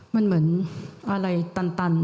มันเหมือนอะไรตัน